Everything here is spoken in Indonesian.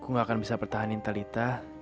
aku nggak akan bisa pertahanin talita